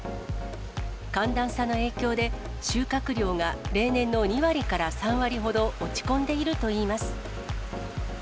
寒暖差の影響で、収穫量が例年の２割から３割ほど落ち込んでいるといいます。